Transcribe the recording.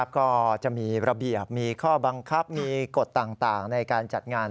ก็จะมีระเบียบมีข้อบังคับมีกฎต่างในการจัดงาน